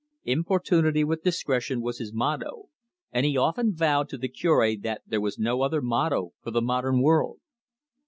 Importunity with discretion was his motto, and he often vowed to the Cure that there was no other motto for the modern world.